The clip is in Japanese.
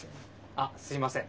あっすいません。